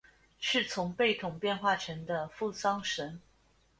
是从贝桶变化成的付丧神。